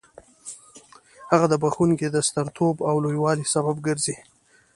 هغه د بخښونکي د سترتوب او لوی والي سبب ګرځي.